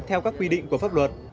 theo các quy định của pháp luật